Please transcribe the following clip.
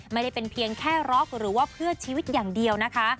ไม่ได้เป็นเพียงแค่ร็อกหรือว่าเพื่อชีวิตอย่างเดียวนะคะ